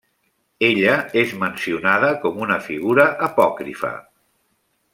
Ella és mencionada com una figura apòcrifa.